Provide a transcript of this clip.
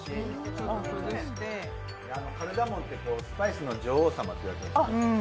カルダモンってスパイスの女王様って言われてる。